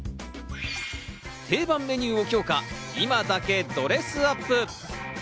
定番メニューを強化、今だけドレスアップ！